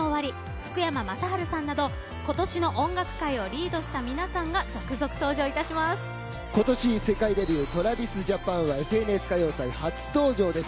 福山雅治さんなど今年の音楽界をリードした今年世界デビューＴｒａｖｉｓＪａｐａｎは「ＦＮＳ歌謡祭」初登場です。